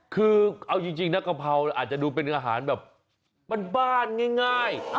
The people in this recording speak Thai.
คือเอาจริงนะกะเพราอาจจะดูเป็นอาหารแบบบ้านง่าย